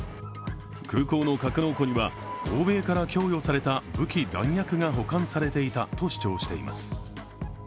空港の格納庫には欧米から供与された武器・弾薬が保管されていたと主張しています。